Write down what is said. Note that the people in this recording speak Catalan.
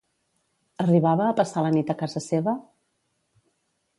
Arribava a passar la nit a casa seva?